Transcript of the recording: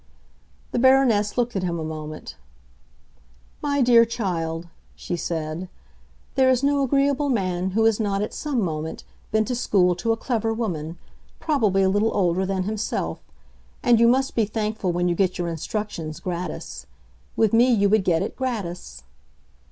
The Baroness looked at him a moment. "My dear child," she said, "there is no agreeable man who has not, at some moment, been to school to a clever woman—probably a little older than himself. And you must be thankful when you get your instructions gratis. With me you would get it gratis."